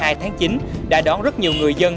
hai tháng chín đã đón rất nhiều người dân